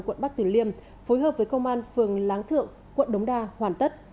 quận bắc tử liêm phối hợp với công an phường láng thượng quận đống đa hoàn tất